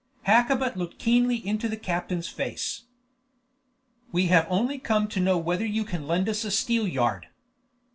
Hakkabut looked keenly into the captain's face. "We have only come to know whether you can lend us a steelyard."